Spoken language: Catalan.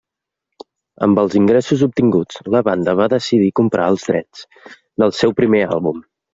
Amb els ingressos obtinguts, la banda va decidir comprar els drets del seu primer àlbum.